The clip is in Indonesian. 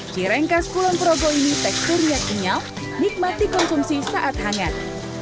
cirengkas kulon progo ini teksturnya kenyal nikmati konsumsi saat hangat